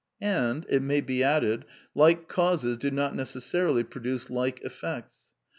And, it may be added, like causes do not necessarily produce like effects.